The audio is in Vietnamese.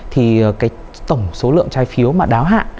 thì cái tổng số lượng trái phiếu mà đáo hạn